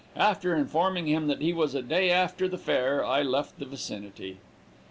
After informing him that he was a day after the fair, I left the vicinity."